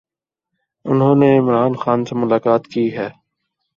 انھوں نے عمران خان سے ملاقات کی ہے۔